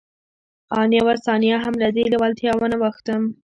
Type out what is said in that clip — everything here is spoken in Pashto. آن يوه ثانيه هم له دې لېوالتیا وانه وښتم.